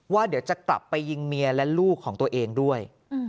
เดี๋ยวจะกลับไปยิงเมียและลูกของตัวเองด้วย